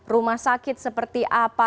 rumah sakit seperti apa